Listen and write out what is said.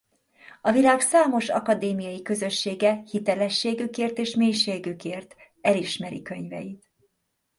A világ számos akadémiai közössége hitelességükért és mélységükért elismeri könyveit.